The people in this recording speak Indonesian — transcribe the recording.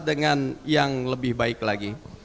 dengan yang lebih baik lagi